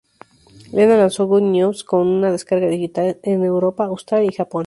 Lena lanzó "Good News" como descarga digital en Europa, Australia y Japón.